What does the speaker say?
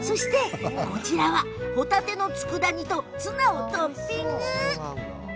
こちらは、ほたてのつくだ煮とツナをトッピング。